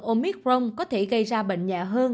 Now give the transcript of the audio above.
omicron có thể gây ra bệnh nhẹ hơn